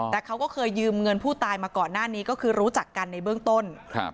แต่เขาก็เคยยืมเงินผู้ตายมาก่อนหน้านี้ก็คือรู้จักกันในเบื้องต้น